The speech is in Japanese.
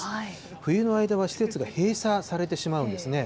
冬の間は施設が閉鎖されてしまうんですね。